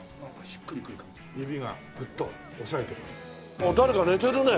ああ誰か寝てるね。